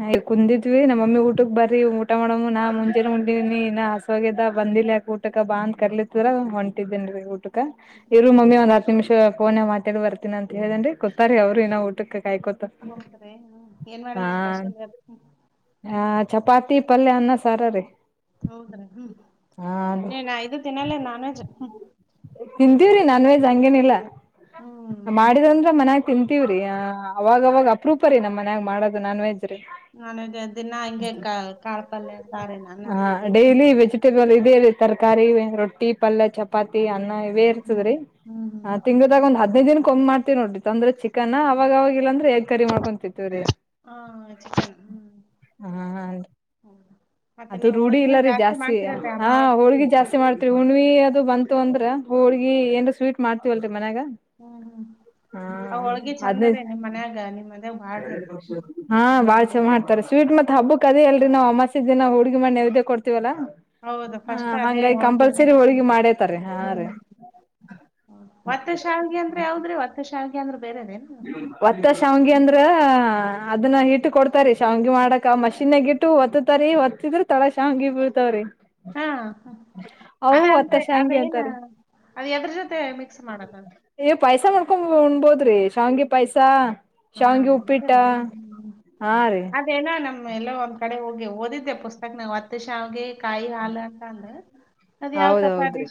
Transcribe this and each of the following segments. ನ ಕುಂದಿದ್ವಿ ನಮ್ಮಮ್ಮಿ ಊಟ ಬರ್ರಿ ಊಟ ಮಾಡಮ್ಮ ನಾ ಮುಂಜೆನ ಹೊಂಟಿದನಿ ಇನ್ನ ಹಸವಾಗ್ಯದ ಬಂದಿಲ್ಲಾಕ ಊಟಕ ಬಾ ಅಂದ ಕರ್ಲತ್ರ ಹೊಂಟಿದೇನ್ರಿ ಊಟ ಇರುವ ಮಮ್ಮಿ ಒಂದು ಹತ್ತು ನಿಮಷ ಫೋನ್ನಗ್ ದ ಬರ್ತೀನ ಅಂತ ಹೇಳೇರಿ ಗೊತಾರಿ ಅವ್ರು ಇನ ಊಟಕ್ಕ ಹಟಾರೆ [inaudible] ಹಾ ಹ ಚಪಾತಿ ಪಲ್ಯ ಅನ್ನ ಸಾರ್. ಸರ ರೀ ಹೌದ್ರೀ ಹ್ಮ್ ನಾನ್ ಐದು ತಿನ್ನಲ್ಲ ನಾನ್ ವಜ್ ಹ್ಮ್. ತಿಂತೀವಿರಿ ನಾನ್ ವೆಜ್ ಹಂಗೇನಿಲ್ಲಾ. ಹ್ಮ್ ಮಾಡಿದಂದ್ರ ಮನ್ಯಾಗ ತಿಂತೀವಿರಿ ಅವಾಗವಾಗ ಅಪರೂಪ ರೀ ನಮ್ಮ ಮನೆಯಾಗ ಮಾಡೋದು. ನಾನ್ ವೆಜ್ ರೀ ನಾನ ದಿನಾ ಹಿಂಗೆ ಕ ಕಾಳ್ಪಲ್ಯ ಸಾರ ನನ್ನ ಸಾರ ಇದೆ ತರಕಾರಿ ರೊಟ್ಟಿ ಪಲ್ಯ ಚಪಾತಿ ಅನ್ನ ಹ್ಮ್ ಬೇರ್ತದ್ರೀ ಹ್ಮ್ ಹ್ಮ್ ತಿಂಗದಾಗ ಒಂದ್ ಹದ್ ತಿಂಗಳು ಒಮ್ಮೆ ಮಾಡ್ತತಿ ನೋಡ್ರಿ ಅಂದ್ರೆ ಚಿಕನ್ ಅವಾಗ ಅವಾಗಲಲ್ಲಂದ್ರೆ ಕರಿ ಮಾಡ್ಕೊಂತತ್ತಿವ್ ರಿ ಹ್ಮ ಚಿಕನ್ ಹ ಅದು ರೂಢಿ ಇಲ್ಲ ರೀ ಜಾಸ್ತಿ ಹಾ ಅಮಾವಾಸಿ ಹೋಳ್ಗಿ ಜಾಸ್ತಿ ಮಾಡ್ತ್ರಿ ಹುಣವಿ ಅದು ಬಂ ತು ಅಂದ್ರ ಹೋಡ್ಗಿ ಏನ್ ಸ್ವೀಟ್ ಮಾಡ್ತೀವಲ್ರರಿ ಮನೆಗಾ ಹ್ಮ್ ಹ್ಮ್ ಅವಾಗ ಹದ್ನೈದ ಚಂದರೇ ನಿಮ್ಮ್ ಮನ್ಯಾಗ ನಿಮ್ಮ ಹಾ ಬಾಳ್ ಚೆ ಮಾಡ್ತಾರೆ ಸ್ವೀಟ್ ಮತ್ ಹಬ್ಬಕ್ಕ ಅದೆ ಅಲ್ರಿ ನಾವು ಅಮಸಿ ದಿನ ಹುಡುಗಿ ಮಾಡಿ ನವದ್ಯ ಕೊಡ್ತೀವಲ್ಲಾ ಹೌದ ಹ ಫಸ್ಟ್ ಅದೇ ಹಂಗಾಗಿ ಹೊಳ್ಗೆ ಹೊಲಗೇನೇ ಕಂಪಲ್ಸರಿ ಹೋಳ್ಗಿ ಮಾಡೇತಾರೀ ಹಾ ರೀ ಹ್ಮ ಒತ್ತು ಶಾವಿಗೆ ಅಂದ್ರೆ ಯಾವದ್ರಿ ಒತ್ತು ಶಾವಿಗೆ ಅಂದ್ರೆ ಬೇರೆದೇನು ಶಾವಗೆ ಅಂದ್ರ ಅದನ್ನ ಇಟ್ಟು ಕೊಡ್ತಾರಿ ಶಾವಗೆ ಮಾಡಕ ಮಿಷಿನ್ ಆಗಿತ್ತು ಇಟ್ಟು ಒತ್ತತಾರಿ ಒತ್ತಿದ್ರ ತಳ ಶಾವಗಿ ಬೀಳ್ತವ್ರಿ ಹಾ ಅದ ಒತ್ತ ಅಂದ್ರೆ ಶಾವ್ಗಿ ಅದೇನ ಅಂತಾರಿ ಅದು ಎದ್ರ ಜೊತೆ ಮಿಕ್ಸ್ ಮಾಡೋದು ಪಾಯಸ ಮಾಡ್ಕೊ ಉಣ್ಬೋದ್ರಿ ಹಂಗೆ ಪೈಸ ಹಾ ಸ್ಮ ಹಾ ರೀ ಅದೇನ ನಮ್ಮ್ ಎಲ್ಲ ಒಂದ್ ಕಡೆ ಹೋಗ್ ಗೆ ಓದಿದ್ದೆ ಪುಸ್ತಕ ನವು ಹತ್ತ ಶಾವಿಗೆ ಕಾಯಿ ಹಾಲಕ ಅಂದ್ರ ಹೌದೌದ್ರಿ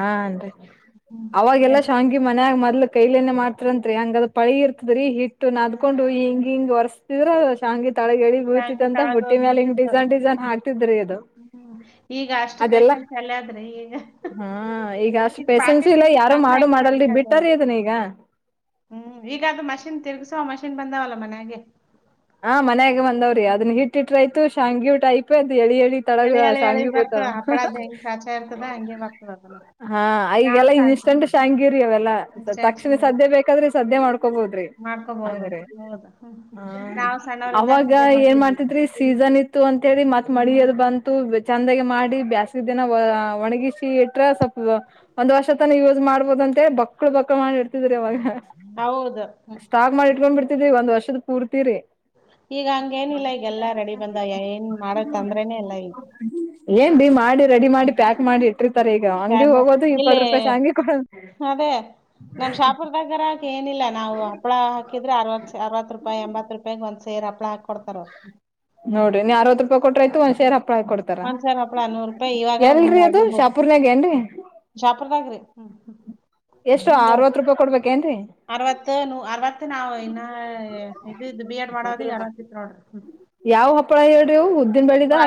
ಹನ್ರಿ ಅವಾಗೆಲ್ಲಾ ಶಾಂಗಿ ಮನ್ಯಾಗ ಮತ್ ಕೈಲೇ ಮಾಡತಾರಂತ್ರಿ ಹಂಗ ಅದು ಪಳಿ ಇರ್ತದ್ರೀ ಹಿಟ್ಟ ನ ಅದ್ಕೊಂಡು ಹಿಂಗ ಹಿಂಗ ಹೊರಸತಿದ್ರ ಶಂಗೀ ತಳಗ ಎಳ ಬೆಚ್ಚಗಾಗಿ ಬೀಳತ್ಂತ ತಳಗ ಬುಟ್ಟಿ ಹೋಗಿ ಮ್ಯಾಲ ಹಿಂಗ್ ಬೀಳ್ತಿತ್ತು ಡಿಸೈನ್ ಹ್ಮ್ ಡಿಸೈನ್ ಹಾಕ್ತಿದ್ರಿ ಅದು ಹ್ಮ್. ಈಗ ಅಷ್ಟು ಅದೆಲ್ಲಾ ಪೇಶನ್ಸ್ ಎಲ್ಲ ಆದ್ರೆ ಈಗ ಹಾ ಅಷ್ಟ್ ಈಗ ಪೇಶನ್ಸ ಪಾಕೆಟ್ ಇಲ್ಲ ಯಾರು ತಂದು ಮಾಡು ಅಡ್ಗೆ ಮಾಡಕ ಮಾಡಲ್ರಿ ಆಗಲ್ ಬಿಟ್ಟಾರಿ ಅದನ್ನ ಈಗ ಹ್ಮ್ ಈಗಾದ ಮಷಿನ್ ತಿರ್ಗಸ ಹ ಮಷೀನ್ ಬಂದಾವಲ್ಲ ಮನೆಗೆ ಹಾ ಮನ್ಯಾಗ ಬಂದವ್ರಿ ಅದನ್ ಹಿಟ್ಟಿಟ್ರ ಆಯ್ತು ಶಾಂಗಿವ್ ಟೈಪ್ ಎಳಿ ಎಳಿ ತಡಗ ಎಳಿ ಎಳಿ ಶಾಂಗಿ ಬರ್ತಾವ ಬೋತಾವ ಹಪ್ಪಳದ ಹೆಂಗ್ ಸಾಚಾ ಇರ್ತದ ಹಂಗೆ ಬರ್ತದ ಅದನ್ನು. ಹಾ ನಾವ್ ಈಗೆಲ್ಲಾ ಸಣ್ಣ ಇನ್ಸ್ಟಂಟ್ ಶಾಂಗಿರಿ ಅವೆಲ್ಲಾ ಮಿಸ್ಟೇಕ್ಸ್ ತಕ್ಷಣ ಸದ್ಯ ಬೇಕಾದ್ರೆ ಸದ್ಯ ಮಾಡ್ಕೊಬೋದ್ರಿ ಮಾಡ್ಕೋಬಹುದು ಅಂಗ್ರ ಹೌದು ಹ್ಮ್ ಹ ನಾವ್ ಸಣ್ಣವ್ರಿದ್ದಾಗ ಅವಾಗ ಹಂಗೆ ಏನ್ ಮಾಡ್ತಿದ್ವಿ ಮಾಡ್ತಿದ್ರಿ ಸೀಸನ್ ಇ ತ್ತು ಅಂತಿ ಮತ್ ಮಳದ ಬಂತು ಚಂದಾಗ ಮಾಡಿ ಬೇಸ್ ದನ ಒಣಗಿಸಿ ಇಟ್ರ ಸ್ವಲ್ಪ ಒಂದ್ ವರ್ಷ ತನ ಯೂಸ್ ಮಾಡ್ಬೋದ ಅಂತೇಳಿ ಬಕ್ಳ ಬಕ್ಳು ಮಾಡಿ ಅವಾಗ ಹೌದು ಹ್ಮ್. ಸ್ಟಾಕ್ ಮಾಡಿ ಇಟ್ಕೊಂಡ್ ಬಿಡ್ತಿದಿ ಒಂದ್ ವರ್ಷ ದು ಪೂರ್ತಿ ರಿ ಈಗ ಹಂಗೇನಿಲ್ಲ ಈಗೆಲ್ಲ ರೆಡಿ ಬಂದ ಏನ್ ಮಾಡಕ್ ತಂದ್ರೇನೇ ಇಲ್ಲ ಈಗ ಮಾಡ ರೆಡಿ ಮಾಡಿ ಪ್ಯಾಕ್ ಮಾಡಿ ಇಟ್ಟಿರ್ತಾರೆ ಈಗ ಅಂಗಡಿ ಹ್ಯಾಗ್ ಮಾಡ್ ಹೋಗೋದು ಇಪ್ಪತ್ತು ಇಲ್ಲಿ ರೂಪಾಯಿ ಶಾಂಗಿ ಕೊಡ ಅದೇ ನಮ್ ಶಾಪುರ್ದಾಗರ ಏನಿಲ್ಲ ನಾವು ಹಪ್ಪಳ ಹಾಕಿದ್ರೆ ಅರ್ವ ಅರವತ್ ರೂಪಾಯಿ ಎಂಬತ್ ರೂಪಾಯಿ ಒ ಸೇರ್ಪ್ಳ ಹಾಕ ಕೊಡ್ತಾರ ಅವ ನೋಡಿ ನೀನ್ ಯ ಹ್ಮ ಒಂದಸರ್ ಹಪ್ಳನೂರು ರೂಪಾಯಿ ಇವಾಗಾರ ನೂರ ಎಲ್ರರಿ ಅದು ಆಗಿರ್ಬೋದು ಶಾಪೂರ್ನಾಗ ಏನ್ರರಿ ಶಾಪರ್ದಾಗ್ರಿ ಹ ಎಷ್ಟು ಹಂಗ ಅರವತ್ ರೂಪಾಯಿ ಕೊಡ್ಬೇಕೇನ್ರರಿ ಅರವತ್ತು ಅರವತ್ತು ನಾವವು ಇನ್ನು ಇದದು ಬಿ ಎಡ್ ಮಾಡೋದ ಅರವತ್ತತ್ತು ನೋಡ್ರಿ ಯಾವ್ ಹಪ್ಪಳ ಹೇಳರವು ಉದ್ದ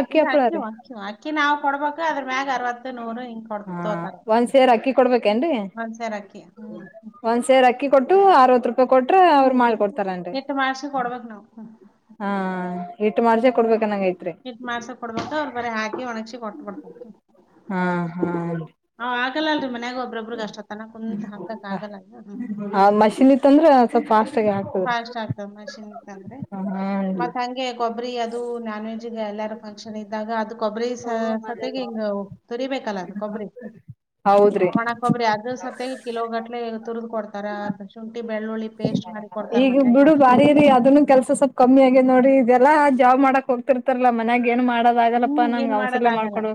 ಕಲ್ಲಿ ಅಕ್ಕಿ ಅಕ್ಕಿ ಅಕ್ಕಿ ನಾವವು ಕೊಡ್ಬೇಕು ಅದ್ರ ಮ್ಯಾಗ್ ಅರವತ್ತು ನೂರು ಹಿಂಗ ಕೊಡ್ ಹಾ ತೋತಾರ ಒಂದ್ ಸೇರ್ ಅಕ್ಕಿ ಕೊಡ್ಬೇಕೇನ್ರರಿ ಒಂದ್ಸರಕಿ ಹ್ಮ್ ಒಂದ್ ಸೇರ್ ಅಕ್ಕಿ ಕೊಟ್ಟು ಅರವತ್ತು ರೂಪಾಯಿ ಕೊಟ್ರ ಅವರು ಹ್ಮ್ ಮಾಡ ಇ- ಕೊಡ್ತಾರನ್ರಿ ಹಿಟ್ ಮಾಡ್ಸಿ ಹಾ ಹಿಟ್ ಮಾಡ್ಸೆ ಕೊಡ್ಬೇಕನ್ನಂಗ ಐತ್ರಿ ಇಟ್ ಮಾಡ್ಸಕ್ ಕೊಡ್ಬೇಕು ಅವ್ರ ಬರ ಹಾಕಿ ಒಣಗಸಿ ಕೊಟ್ಟ ಕೊ ಹಾ ಹಾ [unintelligible] ಮನಯಾಗ ಒಬ್ಬ್ರೊಬ್ಬ್ರಗ ಅಷ್ಟ ತನ ಕುಂತ ಹಾಕಕ್ ಆಗಲ್ಲಲ್ಲ ಸಫಾಶ ಫಾಸ್ಟ್ ಆಗ್ತದ ಮಷನ್ಿಂತಂದ್ರೆ ಮತ್ ಹಂಗೆ ಗೊಬ್ಬರಿ ಅದು ನಾನ್ವೆಜ್ [unintelligible] ಈಗ ಎಲ್ಲಾರ ಫಂಕ್ಷನ್ ಇದ್ದಾಗ ಅದು. ಕೊಬ್ಬರಿ ಸತೆಗೆ ಹಿಂಗ ತುರಿಬೇಕಲ್ಲ ಕೊಬ್ಬರಿ ಹೌದ್ರಿ ಒಣ ಕೊಬ್ಬರಿ ಅದ್ರ ಸತೆಗೆ ಕಿಲೋ ಗಟ್ಲೆ ತುರಿದ್ ಕೊಡ್ತ [unintelligible] ತಾ [unintelligible] ಿ ಬೆಳ್ಳಿ ಪೇಸ್ಟ್ ಮಾಡಿ ಈಗ ಬಿಡು ಬಾರಿರಿ ಅದನ್ನು ಕೆಲ್ಸ ಸ್ವಲ್ಪ್ ಕಮ್ಮಿ ಆಗೇ ನೋಡಿ ಇದೆಲ್ಲಾ ಜಾಬ್ ಮಾಡಕ್ ಹೋಗತಿರ್ತಾರಲ್ಲಾ ಮನ್ಗಿ ಏನು ಮಾಡೋದ ಆಗಲ್ಲಪ್ಪಾ ಹ್ಮ್ ನನ್ ಏನ್ ಮಾಡೋದ್ ಕೌಸಲ್ಯ ಆಗಲ್ಲ ಮಾಡ್ಕೊಡು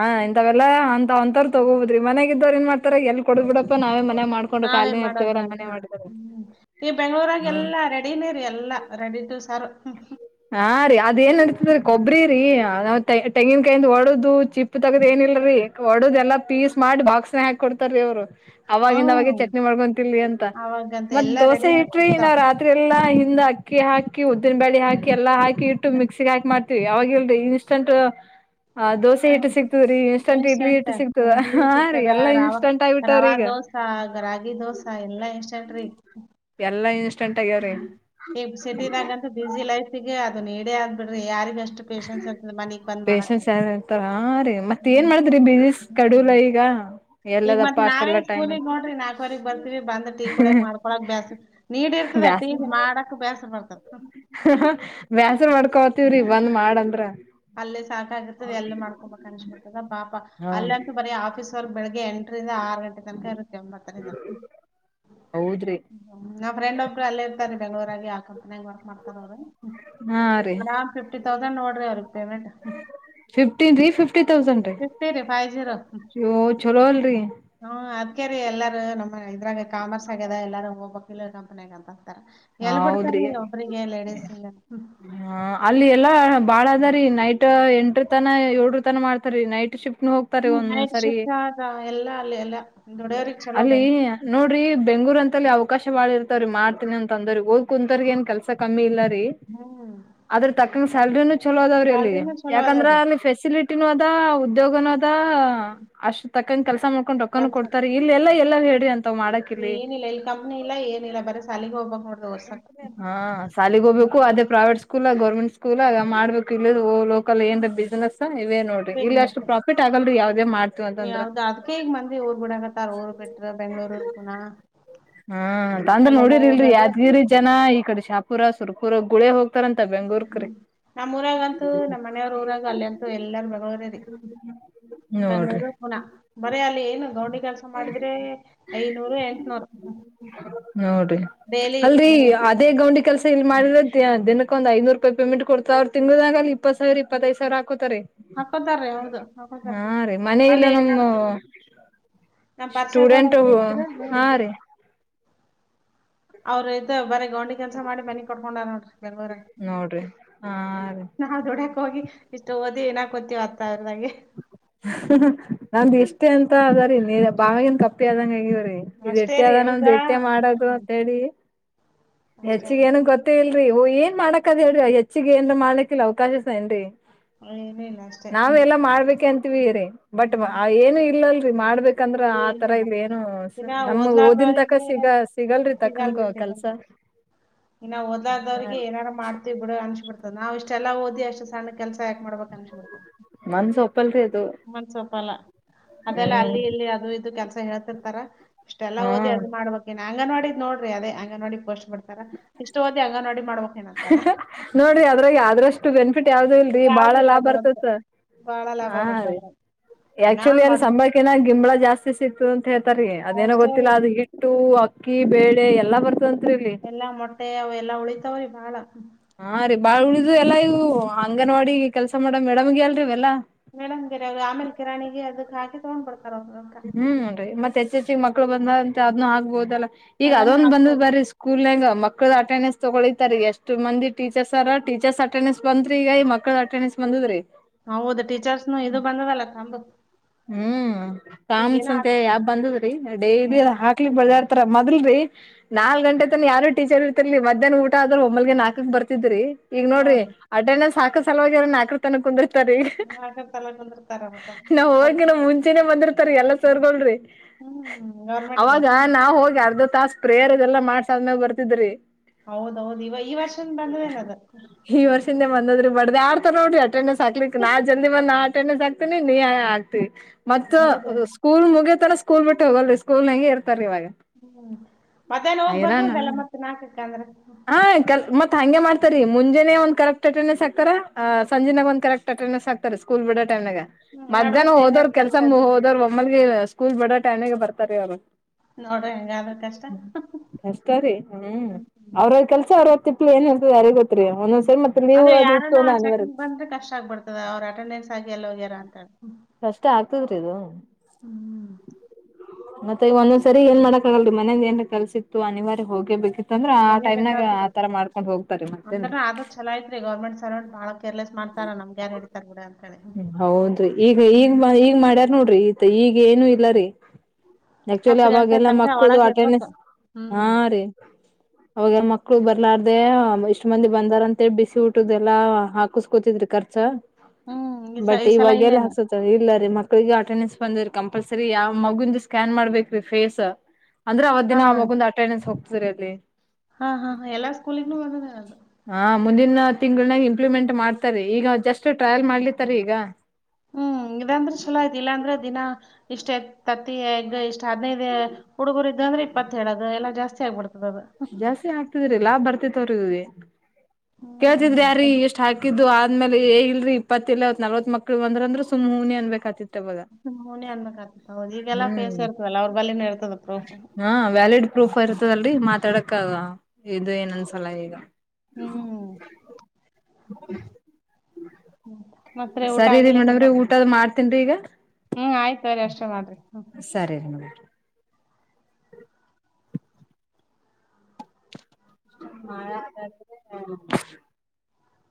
ಹ ಇಂಥವೆಲ್ಲಾ ಅ ಾವ ಒಂತ ತಗೋದ್ರ ಮನೆಗ ಇದ್ ಏನ್ ಮಾಡ್ತಾರ ಎಲ್ ಕೊಡ ಬಿಡಪ್ಪ ನಾವೇ ಮಾಡ್ಕೊಂಡು ನಾವೇ ಕಾಲೇ ಮಾಡೋದ್ ಇರ್ತವಾರ ಅಂತ ಅಮ್ಮನೆ ಹೇಳ್ ಮಾಡರು ಹ್ಮ್ ಈ ಬೆಂಗ್ಳೂರಾಗ ಎಲ್ಲಾ ರೆಡಿನೇ ರೀ ಎಲ್ಲಾ ರೇಡಿಹ್ಯತು ಸಾರು. ಹಾ ರೀ ಅದ ಏನ್ ನಡೀತಿದ್ರೀ ಕೊಬ್ಬರಿ. ತೆಂಗಿನಕಾಯಂದ ಒಡದು ಚಿಪ್ಪ [unintelligible] ತಗದ್ ಏನಿಲ್ಲಲ್ರೀ ಒಡ್ ಎಲ್ಲ ಪೀಸ್ ಸ್ಮಾರ್ ಬಾಕ್ಸ್ ನ ಹಾಕ್ ಕೊಡ್ತಾರ ರೀ ಅವರು ಅವವಾಗಿಂದ ಅವಾಗೆ ಹ್ಮ್ ಚಟ್ನಿ ಮಾಡ್ಕೊಂತರ್ಲಿ ಅಂತ ಅವಾಗಂತ ಮತ್ತ್ ಎಲ್ಲಾ ದೋಸೆ ಆಗಿ ಇಟ್ರಿ ಸಿಗ್ತಾವ್ ನಾವ್ ರಾತ್ರಿ ಎಲ್ಲಾ ದ ಅಕ್ಕಿ ಹಾಕಿ ಉದ್ದಿನ ಬಳಿ ಹಾಕಿ ಎಲ್ಲ ಆಯತು ಇಟ್ಟು ಮಿಕ್ಸಿ ಹಾಕ್ ಮಾಡಿ ಯಾವಾಗಲ್ರಿ ಇನ್ಷ್ಟಂಟ್ ಹ್ಮ ಎಷ್ಟ ಎಂಟ ಹಿಟ್ಟು ಸಿಗ್ತದ ಇಡ್ಲಿ ಹಾ ರೀ ಸಿಗ್ತದ ಎಲ್ಲಾ ರವಾ ಇನ್ಸ್ಟಂಟ್ ಆಗ್ಬಿಟ್ಟವ್ರಿ ರವಾ ಈಗ ದೋಸಾ ರಾಗಿ ದೋಸೆ ಎಲ್ಲಾ ಎಷ್ಟ ಚಲ್ರಿ [unintelligible] ಎಲ್ಲಾ ಇನ್ಸ್ಟಂಟ್ ಆಗ್ಯಾವ್ರಿ ಹ್ಮ ಈಗ ಸಟಿದಾಗಂತ ಬಸಿ ಲೈಫಿಗೆ ನಡೆಯ [unintelligible] ಬಿಡ್ರಿ ಯಾರಿಗ ಎಷ್ಟು ಪೇಶನ್ಸ್ ಇರ್ತ ಮನಿಗ್ ಬಂದ್ ಮಾಡಕ್ ಮತ್ತತ್ ಏನ್ ಮಾಡ್ತ್ಬಿಸ ಕಡಲ ಈಗ ಈಗ ಎಲ್ಲದಪ್ಪಾ ಮತ್ತತ್ ನಾವೇ ಅಷ್ಟೆಲ್ಲಾ ಟೈಮ್ ಸ್ಕೂಲಗ್ ನೋಡ್ರಿ ನಾಲ್ಕವರೆಗ್ ಬರ್ತೀವಿ ಬಂದ್ ಟೀ ಕುೂಡಂಗ ಮಾಡ್ಕೊಳಕ್ ಬೇಸ್ ನೀಡಿ ಇರ್ತದ ಟೀ ಮಾಡಕ್ ಬೇಸ್. ಹ ವ್ಯಸ್ [unintelligible] ಡ [unintelligible] ಕೋತವ್ರಿ ಹ್ಮ್. ಬಂದ್ ಮಾಡಂದ್ರ ಅಲ್ಲೇ ಸಾಕಾಗಿರ್ತದೆ ಎಲ್ಲ ಮಾಡ್ಕೊಬೇಕಕ್ ಅನ್ಚ್ ಬಿತದ ಬಾಪಾ ಹಾ ಅಲ್ಲ ಅಂತೂ ಬರೀ ಆಫೀ ಸರ್ ಬೆಳಗ್ ಎ ಆರು ಗಂಟೆ ತನಕ ಇರುತ್ತೆ ಒಂಬತ್ತರಿಂದ ಹೌದ್ರಿ ನಾವ ಫ್ರೆಂಡ್ ಒಬ್ಬರು ಅಲ್ಲಿ ಇರ್ತಾರೆ ಬೆಂಗಳೂರ ಹಾಗೆ ಹಾಕಂತಂಗ ವರ್ಕ್ ಮಾಡ್ತಾರ ಅವ್ರರು ಹಾ ರೀ ತೌಸಂಡ್ ನೋಡ್ರಿ ಅವರು ಫಿಫ್ಟಿನ್ ರೀ ಫಿಫ್ಟಿ ತೌಸಂಡ ರೀ [unintelligible] ಚಲೋ ಅಲ್ರಿ ಹ್ಮ ಅದ್ಕ ರರಿ ಎಲ್ಲಾರ ನಮ್ಮ ಇದ್ರಾಗ ಕಾಮರ್ಸ್ ಆಗ್ಯದ ಎಲ್ಲಾರು ಹೋಗ್ಬ ಕಲ ಕಂಪನಿ ಆಗಂತ ಹೌದ್ರಿ ಲೇಡೀಸ್ ಇಲ್ಲ. ಹ ಅಲ್ಲಿ ಎಲ್ಲಾ ಬಾಳದಾರೀ ನೈಟ್ ಎಂಟ್ರ ತನ ಎಏಳ್ರು ತನ ಮಾಡತಾರೆ ನೈಟ್ ಶಿಫ್ಟ್ ಹೋಗ್ತಾರೆ ಹ್ಮ್ ಒಂದೊಂದ್ ನೈಟ್ ಸರಿ ಶಿಫ್ಟ್ ಅದ ಎಲ್ಲಾ ಅಲ್ಲಿ ಎಲ್ಲಾ ದುಡಿಯೋರಿಗ್ ಚಲೋ ಅಲ್ಲಿ ಬೆನ್ ನೋಡ್ರಿ ಬೆಂಗೂರ್ ಅಂತಲ್ಲಿ ಅವಕಾಶ ಬಾಳಿರ್ತ ಮಾಡಿನ ತೊಂದ್ರ ಹೋಗಿ ಕುಂತರ್ಗ ಏನ್ ಕೆಲಸ ಕಮ್ಮಿ ಇಲ್ಲ ಹ್ಮ್ ಅದ್ರ ತಕ ಸ್ಯಾಲರಿ ನು ಚಲೋದವ್ರಿ ಅಲ್ಲಿ ಸ್ಯಾಲ್ರಿನೂ ಚಲೋ ಯಾಕಂದ್ರೆ ಅದಾರಿ ಅಲ್ಲಿ ಫೆಸಿಲಿಟಿ ಅದ ಉದ್ಯೋಗನ ಅಷ್ಟ ತಕ್ಕಂಗ ಕೆಲಸ ಮಾಡ ರೊಕಾನುನನ್ ಕೆಲ್ಸ ಕೊಡ್ತಾರೆ ಇಲ್ಲ ಎಲ್ಲ ಹೇಳಿ ಅಂತ ಏನಿಲ್ಲ ಇಲ್ಲಿ ಕಂಪ್ನಿ ಇಲ್ಲ ಏನಿಲ್ಲ ಬರ ಸಾಲಿಗೆ ಹೋಗ್ಬೇಕಕ್ ನೋಡ ಹಾ ಶಾಲಿಗೆ ಹೋಗ್ಬೇಕು ಅದೇ ಪ್ರೈವೇಟ್ ಸ್ಕೂಲ್ ಗೌರ್ಮೆಂಟ್ ಸ್ಕೂಲ್ ಆಗ ಮಾಡ್ಬೇಕು ಇ ಹೋ ಹ್ಮ ಅಷ್ಟು [unintelligible] ಪ್ರಾಫಿಟ್ ಆಗಲ್ರಿ ಯಾವ್ದೇ ಮಾಡ್ತೀವಿ ಅಂತಂದ್ರ ಯಾವ್ದ ಅದ್ಕೇ ಈಗ್ ಮಂದಿ ಊರ್ ಬಿಡಕತ್ತಾರ ಊರ್ ಬಿಟ್ರ ಬೆಂಗ್ಳೂರು ಪುನ ಹ್ಮ ತಂದ್ರ ನೋಡಿರಿ ಇಲ್ರಿ ಯಾದ್ಗಿರಿ ಜನ ಹ ಈ ಕಡೆ ಶಾಹ ಪುರಾಸುರ ಪುರ ಗುಳೆ ಹೋಗ ಹ್ಮ ನಮ್ಮೂಊರಾಗಂತೂ ನಮ್ಮ್ ಮನೆಯವ್ರ ಊರಾಗ ಅಲ್ಲಿಂತು ಎಲ್ಲಾರ ಬೆಂಗಗಳೂರರಿ ನೋಡ್ರಿ ಬೆಂಗಗಳೂರು ಪುನ ಬರೀ ಅಲ್ಲಿ ಏನು ಗೌಂಡಿ ಕೆಲ್ಸ ಮಾಡಿದ್ರೆ ಐನೂರು ಎಂಟನೂರ್ ನೋಡ್ರಿ ಅಲ್ರರಿ ಅದೇ ಗೌಂಡಿ ಕೆಲ್ಸ ಲ್ ಮಾಡ್ರೆ ದಿನಕ್ಕೆ ಒಂದು ಐನೂರು ರೂಪಾಯಿ ಪೇಮೆಂಟ್ಡ್ತ ಅವರುಂಗದಾಗ ಅ ಇಪ್ಪ ಸಾವಿರ ಇಪ್ಪತ್ತೈದು ಸಾವಿರ ಹಾಕೋತಾರಿ ಹಾಕೋತಾರ ಹೌದು ಹಾಕೋತಾರ ಹಾ ರೀ ಮನೆ ಇಲ್ಲ ಅಲ್ಲಿನ ನಮ್ಮ ನ ಸ್ಟೂಡೆಂಟ್ ಪರಿಷಾದವ್ರತ್ರ ಇದರ ಹಾ ರೀ ಅವ್ರ ಇದ ಬರ ಗೊಂಡಿ ಕೆಲ್ಸ ಮಾಡಿ ಮನೆ ಕಟ್ಕೊಂಡ ನೋಡ್ರಿ ಬೆಂಗಳರುಹಗ ನೋಡ್ರಿ ಹಾ ರೀ ಹೋಗಿ ಇಷ್ಟು ಓದಿ ಏನಕೋತೀವತ್ತ ಅವರದಾಗೆ ನಂದ ಇಷ್ಟೇ ಅಂತ ಅದಾರಿ ನೀ ಬಾವ್ಯಾಗಿನ್ ಕಪ್ಪಿ ಆದಂಗ ಆಗಿ ರಿ ಇದ ಅಷ್ಟೇ ಇಟ್ಟೆ ರೀ ಅದಾನ ಈಗ ನಮ್ದ ಇಟ್ಟೆ ಮಾಡದು ಹ್ಮ್ ಅಂತ ಹೇಳಿ ಅಷ್ಟೇ ಹೆಚ್ಚಗ ಅದ ಏನ ಗೊತ್ತೇ ಇಲ್ ರಿ ಏನ್ ಮಾಡಾಕ್ ಅ ಹೇಳ್ರಿ ಹೆಚ್ಚಿಗೆ ಏನ್ ಮಾಡಲಕ್ಕಿಲ್ ಅವಕಾಶಸ ಏನ್ರಿ ಏನು ಇಲ್ಲ ಅಷ್ಟೇ ನಾವ ಹ್ಮ್ ಎಲ್ಲ ಮಾಡ್ಬೇಕ ಅಂತ ವೇರೆ ಬಟ್ ಹ್ಮ್ ಏನು ಇಲ್ಲಲ್ ಮಾಡ್ಬೇಕ ಯಕಂದ್ರ ಆ ತರ ಏನಿಲ್ಲ ಇಲ್ ಏನು ಇನ್ನ ನಮ್ ಓದೀನ್ ತಕ ಓದ್ಲಾರ್ದವ್ರಿಗೆ ಸಿಗ ಸಿಗಲ್ರರಿ ಸಿಗಲ್ರಿ ತಕ್ಕಂಗ ಕೆಲ್ಸ ಸಿಗಲ್ರಿ. ಇನ್ನ ಓದ್ಲಾದವ್ರಿಗೆ ಏನಾರು ಮಾಡ್ತೀವಿ ಬಿಡ ಕಾಣಿಸ್ ಬಿಡ್ತ ನಾವ ಇಷ್ಟೆಲ್ಲ ಓದಿ ಅಷ್ಟ ಸಣ್ಣ ಕೆಲ್ಸ ಯಾಕ ಮಾಡ್ಬೇಕ ಅನ್ಸಬಿಡ್ತದ ಮನ್ಸ ಒಪ್ಪಲ್ರಿ ಅದು ಮನ್ಸ್ ಒಪ್ಪಲ್ ಅದೆಲ್ಲ ಹ್ಮ್ ಅಲ್ಲಿ ಇಲ್ಲಿ ಕೆಲಸ ಹೇಳ್ತಿರ್ತಾರ. ಇಷ್ಟೆಲ್ಲ ಹಾ ಓದಿ ಅದು ಮಾಡ್ಬೇಕೇನ್. ಅಂಗನವಾಡಿದ ನೋಡ್ರಿ ಅದೇ ಅಂಗನವಾಡಿ ಪೋಸ್ಟ್ ಬಿಡ್ತಾರ ಇಷ್ಟೋದಿ ಅಂಗನವಾಡಿ ಮಾಡ್ಬೇಕ. ನೋಡ್ರಿ ಅದ್ರಾಗ ಆದ್ರಷ್ಟು ಬೆನಿಫಿಟ್ ಯಾವ್ದ ಇಲ್ಲ. ಬಾಳ ಯಾವ್ದು ಇಲ್ಲಾ ಲಾಭ ರೀ ಒಟ್ಟ ಬರ್ತತ್ ಬಾಳ ಲಾಭ ಹಾನ್ ಮತ್ತ್ ರಿ ಅದ್ರಾಗ ನಾ ಆಕ್ಚುಲಿ ಅಲ್ಲಿ ಮೊದ್ಲ್ ಸಂಬಳಕಿನ ಗಿಂಬಳ ಜಾಸ್ತಿ ಸಿಕ್ತದ ಅಂತ ಹೇಳ್ತಾರೀ ಅದೇನೋ ಅಷ್ಟೇ ಗೊತ್ತಿಲ್ಲ ರೀ ಅದು ಹಿಟ್ಟು ಉಪ್ಪು ಅಕ್ಕಿ ಬೇಳೆ ಎಲ್ಲಾ ಬರ್ತ ಎಲ್ಲಾ ಮೊಟ್ಟೆ ಅವೆಲ್ಲಾ ಉಳಿತಾವ್ರಿ ಬಾಳ. ಹಾ ರಿ ಬಾಳ್ ಉಳಿದಿವೂ ಎಲ್ಲಾ ಇವು ಅಂಗನವಾಡಿ ಕೆಲ್ಸ ಮಾಡ ಮೇಡಮಗೆ ಅಲ್ರಿ ಇವೆಲ್ಲಾ. ಮೇಡಮ ಗಿರ ಆಮಲೆ ಕಿರಾಣಿಗೆ ಅದಕ್ ಹಾಕಿ ತಗೊಂಡ್ಬಡ್ತಾರ. ಹ್ಮ್ ನೋರಿ ಮತ್ತ್ ಹೆಚ್ಚ ಹೆಚ್ಚಿಗ ಮಕ್ಳು ಬಂದ [unintelligible] ಆಗ್ಬೋದಲ್ಲ. ಈಗ ಅದನ್ನ ಅದೊಂದ ಬಂದ್ ಹಾಕ್ಬೋದ್ ಬರೀ ಸ್ಕೂಲ್ನಾಗ್ ಮಕ್ಕ್ ಮಕ್ಕಳ ಅಟಂಡೆನ್ಸ್ ತಗೊಳಿತ ರೀ ಎಷ್ಟು ಮಂದೀ ಟೀಚರ್ಸ್ರ ಟಿಚರ್ಸ್ ಅಟೆಂಡೆನ್ಸ್ ಬಂದತ ರಿ ಈಗ ಈ ಮಕ್ಳ ಅಟೆಂಡೆನ್ಸ್ ಬಂದದ್ರೀ. ಹೌದು ಟೀಚರ್ಸ್ನು ಇದು ಬಂದದಲ್ಲ ತಂಬ. ಹ್ಮ್ ಥಾಮ್ಸ್ ಅಂತೆ ಯಾಪ್ ಬಂದದ್ರಿ ಡೈಲಿ ಹಾಕ್ಲಿಕ್ ಇಬ್ಬರ್ ಮೊದಲ್ರಿ ನಾಲ್ಕ್ ಗಂಟೆ ತನ ಯಾರು ಟೀಚರ್ ಇರ್ತಿರಲಿಲ್ಲ ರಿ ಮಧ್ಯಾನ ಊಟ ಆದ್ರ ಒಮ್ಮಲ್ಗೆ ನಾಲ್ಕಕ್ ಬರ್ತಿದ್ರಿ. ಈಗ ನೋಡ್ರಿ ಅಟೆಂಡೆನ್ಸ್ ಸಾಕು ಸಲುವರ ನಾಕೃ ತನ ಕುಂದ್ರ್ [unintelligible] ಕುಂದ್ರ್ತಾರ ಮತ್ತ ನಾವ್ ಹೋಗಿನ ಮುಂಚೆನೆ ಬಂದಿರ್ತಾರರಿ ಎಲ್ಲ ಸರ್ ಗೋಳ್ರಿ. ಹ್ಮ್ ದ ಅವಾಗ ನಾವ ಹೋಗಿ ಅರ್ಧ ತಾಸ ಪ್ರೇಯರ್ ಇದೆಲ್ಲಾ ಮಾಡ್ಸಾದ್ಮೇಲ ಬರ್ತಿದ್ರಿ ಹೌದೌದು ಇವ ಈ ವರ್ಷನ್ ಬಂದದೇನ ಅದ ಬಡದ್ಯಾಡ್ತಾರ್ ನೋಡ್ರಿ ಅಟೆಂಡನ್ಸ್ ಸಾಕ್ಲಿಕ್ಕ ನಾ ಜಲ್ದಿ ಬಂದ ನಾ [unintelligible] ನೀ ತಿವಿ. ಮತ್ತ ಹೌದ್ ಸ್ಕೂಲ್ ಮುಗಿಯತನ. ಸ್ಕೂಲ್ಟ್ಟ ಹೋಗಲ್ರಿ ಸ್ಕಲ್ನಗೆ ಇರ್ ಹ್ಮ್ ಮದ್ಯಾನ ಹೋಗ್ ಹೈರಾಣ ಬರ್ಬೋದಲ್ಲ ಮತ್ತ್ ನಾಲ್ಕಕಂದ್ರೆ. ರಿ ಮುಂಜೆನೆ ಒಂದ್ ಕರೆಕ್ಟ್ ಅಟೆಂಡೆನ್ಸ್ ಹಾತಾರ. ಸಂಜೆಾಗ ಒಂದು ಕರೆಕ್ಟ್ ಅಟೆಂಡೆನ್ಸ್ ಆಗ್ತಾರೆ ಸ್ಕೂಲ್ ಬಿಡ ಟೈಮ್ನಗ. ಹ್ಮ್ ನಡಬರ್ಕ ಏನಾರ ಹೋದೋ್ರು ಕೆಲ್ಸ ಇದ್ರ ಹೋದೋರ್ ತಮ್ಮಗೆ ಸ್ಕೂಲ್ ಬಡ ಟೈಮ್ ನಗೆ ಬರ್ತಾರ ರಿ ಅವ್ರು ನೋಡ್ರಿ ಹೆಂಗಾದ್ರ ಕಷ್ಟ ಕಷ್ಟ ರೀ ಹ್ಮ್ ಅವ್ರವ ಕೆಲ್ಸ ಅವರವರ್ [unintelligible] ಹ್ಮ ಲೀವ್ ಅಂದ್ರೆ ಅದ್ ಇತ್ತು ಯಾರನ ಅಂದ್ರ ಅನಿವಾರ್ಯ ಚೆಕಿಂಗ್ ಬಂದ್ರೆ ಕಷ್ಟ ಆಗ್ಬಿಡ್ತದ ಅವ್ರ ಅಟೆಂಡೆನ್ಸ್ ಆಗಿ ಎಲ್ಲ ಹೋಗ್ಯಾರ ಅಂತ. ತ್ತ್ ಆಗ್ತದ್ರೀ ಇದು ಹ್ಮ್ ಮತ್ತೆ ಈಗ ಒಂದೊಂದ್ಸರಿ ಏನ್ ಮಾಡಡಕಕ್ ಆಗಲ್ ಮನದ ಏನ್ ಕಸಿತ್ತು ಅನಿವಾರ್ಯ ಹೋಗೇಬೇಕೇಕಿತ್ ಹೋಗೇಬೇಕಾಗತದರಿ ಹೋಗ್ತಾರಿ ಅಂದ್ರ ಮತ್ತೇನ್ರಿ ಆದ್ರ ಚಲ ಐತ್ರಿ ಗೌರ್ಮೆಂಟ್ ಸರ್ವೆಂಟ್ ಬಾಳ ಕೇರ್ಲೆಸ್ ಮಾಡ್ತಾರ ನಮ್ಗೆ್ಯಾರನ್ ಹಿಡತಾರ ನಡ ಅಂತ. ಹೇಳಿ. ಹೌದ್ರಿ ಈಗ ಈಗ ಈಗ ಮಾಡ್ಯಾರ್ ನೋಡ್ರಿ. ಮತ್ತೆ ಈಗ ಏನು ಇಲ್ಲ ರೀ. ಹತ್ತ ಆಕ್ಚುಲಿ ಗಂಟೆ ಅವಾಗೆಲ್ಲಾ ತನಕ ಮಕ್ಕಳ ಒಳಗ ಇರ್ಬೇಕು. ಅಟೆಂಡನ್ಸ್ ಹಾ ಹ್ಮ್ ರೀ ಅವಾಗ ಮ ಮಕ್ಕಳು ಬರ್ಲಾರ್ದ ಇಷ್ಟ್ ಮಂದಿ ಬಂದಾರ ಅಂತೇಳಿ ಬಿಸಿ ಊಟದೆ ಎಲ್ಲಾ ಹಾಕಸ್ಕೋತಿದ್ರಿ ಖರ್ಚ ಹ್ಮ್ ಈ ಸ ಬಟ್ ಈ ಸಲ ಇವಾಗ ಎಲ್ಲ ಇಲ್ಲೇನ ಹಾಸುತ್ತ ಇಲ್ಲ ರೀ ಮಕ್ಳಿಗೆ ಆಟೆೆ ಬಂದ್ರ ಕಂಪಲ್ಸರಿ ಯಾವ್ ಮಗುಂದು ಸ್ಕ್ಯಾನ್ ಮಾಡ್ಬೇಕ್ರೀ ಫೇಸ್ ಅಂದ್ರೆ ಅವತ್ ಹಾ ದಿನ ಮಗುಂದ ಅಟೆಂಡೆನ್ಸ್ ಹೋಗ್ತ ಸರಿ ಅದೇ ಹಾ ಹಾ ಹಾ ಎಲ್ಲಾ ಸ್ಕೂಲಿಗನೂ ಬಂದದ ಅದು ಹಾ ಮುಂದಿನ ತಿಂಗಳನಾಗ ಇಂಪ್ಲಿಮೆಂಟ್ ಮಾಡ್ತಾರೆ ಈಗ ಜಸ್ಟ್ ಟ್ರಯಲ್ ಮಾಡ್ಲಿ ತ್ತರ ಈಗ ಹ್ಮ್ ಇ ಅಂದ್ರೆ ಚಲೋ ಇದಿಲ್ಲಾ ಅಂದ್ರೆ ದಿನ ಇಷ್ಟೇ ತತ್ತಿ ಹೆಗ್ ಇಷ್ಟ್ ಹದ್ನೈದ ಹುಡುಗರು ಅಂದ್ರೆ ಇಪ್ಪತ್ತೇಳ ಎಲ್ಲ ಜಾಸ್ತಿ ಹಬ ಜಾಸ್ತಿ ಹಾಕ್ತಿದ್ರಿ ಲಾಭ ಬರ್ತಿತ್ವ್ರಿದವಿ ಕೇಳ್ತಿದ್ರಿ ಯಾರೀ ಎಷ್ಟ್ ಹಾಕಿದ್ದು ಅಂದ್ಮೇಲೆ ಏ ಇಲ್ರಿ ಇಪ್ಪತ್ತ ಇತ್ ನಲ್ವತ್ಕ್ಳ ಬಂದ್ರ ಅಂದ್ರ ಸುಮ್ನನೆ ಅನ್ಬೇಕ ಆತಿತ್ ಸುಮ್ಮನೆ ಅನ್ಬೇಕಾಗ್ತತ್ ಹೌದು ಈಗೆಲ್ಲಾ ಫೇಸ್ ಹ್ಮ ಇರ್ತವಲ್ಲ ಅವ್ರ ಬಲ್ಲಿನು ಇರ್ತದ ಪ್ರೂಫ್. ಹ ವ್ಯಾಲಿಡ್ ಪ್ರೂಫ್ ಇರ್ತದಲ್ ಬರಕ್ಕಾಗ ಇದು ಏನಂದ್ಸಲ ಈಗ ಹ್ಮ್್ಮ ಸರಿ ರ ಮೇಡಮ್ರಿ ಊಟದ್ ಮಾಡ್ತ ತಿ ರ ಈಗ. ಹ್ಮ್ ಆಯ್ತವ್ರಿ ಅಷ್ಟೇ ಮಾಡ್ರಿ ಹ. ಸರಿ ರೀ ಮೇಡಮ್ ಮಳ ಹ.